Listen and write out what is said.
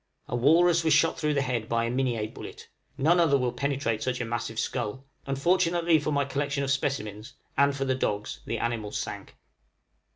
A walrus was shot through the head by a Minié bullet; none other will penetrate such a massive skull: unfortunately for my collection of specimens, and for the dogs, the animal sank.